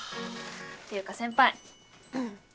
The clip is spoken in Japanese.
っていうか先輩。